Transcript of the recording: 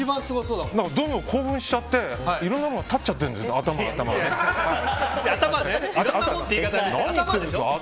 どんどん興奮しちゃっていろんなものが立っちゃってるんです、頭。